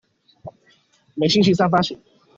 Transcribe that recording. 每星期三發行